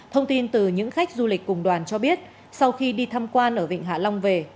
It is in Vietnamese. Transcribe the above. thông tin từ những khách du lịch cùng đoàn cho biết sau khi đi tham quan ở vịnh hạ long về